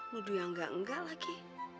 nuduh yang gak enggak lagi